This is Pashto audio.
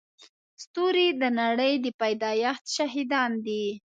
ستوري د نړۍ د پيدایښت شاهدان دي.